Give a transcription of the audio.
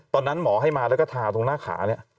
ตอนนั้นหมอให้มาแล้วก็ทาตรงหน้าขาเนี่ย